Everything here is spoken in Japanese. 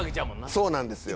そうなんですよ。